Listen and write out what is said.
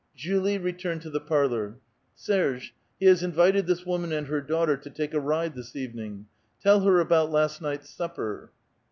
Julie returned to the parlor. "Serge, he has invited this woman and her daughter to take a ride this evening. Tell her about last night's supper."